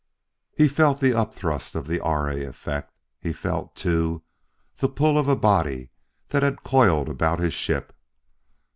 He felt the upthrust of the R. A. Effect; he felt, too, the pull of a body that had coiled about his ship.